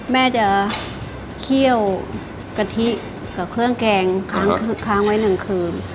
แม่จะเคี่ยวกะทิกับเครื่องแกงค้างไว้หนึ่งคืน